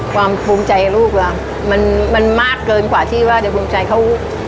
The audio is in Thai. ความภูมิใจลูกล่ะมันมากเกินกว่าที่ว่าเดี๋ยวภูมิใจเขา